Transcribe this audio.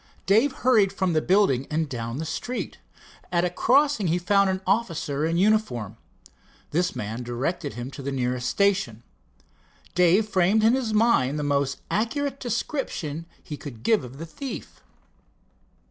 Dave hurried from the building and down the street. At a crossing he found an officer in uniform. This man directed him to the nearest station. Dave framed in his mind the most accurate description he could give of the thief.